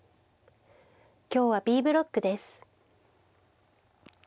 今日はＢブロックです。